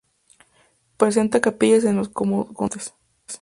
Presenta capillas entre los contrafuertes.